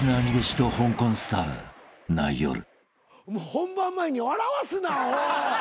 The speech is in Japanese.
本番前に笑わすなアホ。